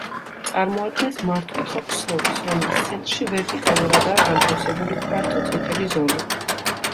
წარმოადგენს მართკუთხა ქსოვილს, რომლის ცენტრში ვერტიკალურადაა განთავსებული ფართო წითელი ზოლი.